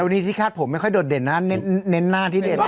วันนี้ที่คาดผมไม่ค่อยโดดเด่นนะเน้นหน้าที่เด่น